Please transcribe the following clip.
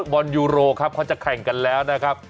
บอลยูโรครับเขาจะแข่งกันแล้วนะครับ